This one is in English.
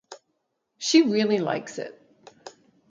She really likes it.